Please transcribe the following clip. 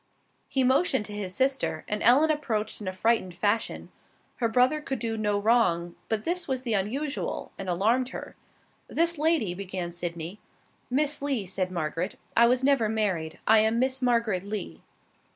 He motioned to his sister, and Ellen approached in a frightened fashion. Her brother could do no wrong, but this was the unusual, and alarmed her. "This lady " began Sydney. "Miss Lee," said Margaret. "I was never married. I am Miss Margaret Lee."